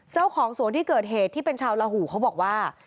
เจ้าของสวนที่เกิดเหตุที่เป็นชาวลาหูเขาบอกว่า